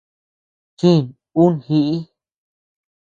Chich un jiʼi.